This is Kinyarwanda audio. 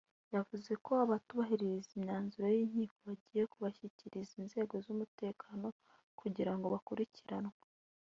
yavuze ko abatubahiriza imyanzuro y’Inkiko bagiye kubashyikiriza inzego z’umutekano kugira ngo bakurikiranwe